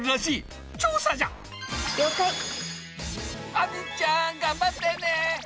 亜美ちゃん頑張ってね！